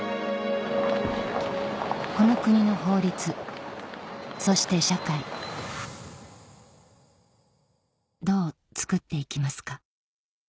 この国の法律そして社会どうつくって行きますか？